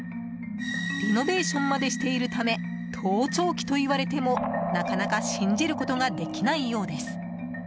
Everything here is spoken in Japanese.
リノベーションまでしているため盗聴器と言われてもなかなか信じることができないようです。